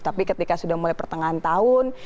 tapi ketika sudah mulai pertengahan tahun